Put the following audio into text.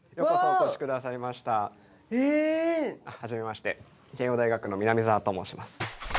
はじめまして慶應大学の南澤と申します。